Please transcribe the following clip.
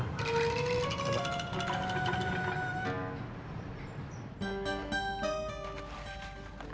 aku mau pergi